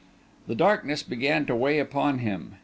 The darkness began to weigh upon him.